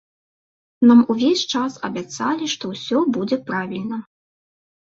Нам увесь час абяцалі, што ўсё будзе правільна.